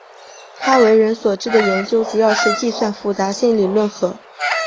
他为人所知的研究主要是计算复杂性理论和。